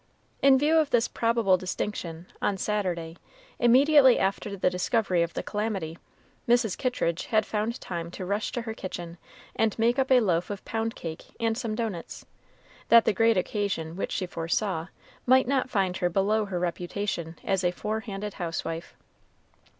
In view of this probable distinction, on Saturday, immediately after the discovery of the calamity, Mrs. Kittridge had found time to rush to her kitchen, and make up a loaf of pound cake and some doughnuts, that the great occasion which she foresaw might not find her below her reputation as a forehanded housewife.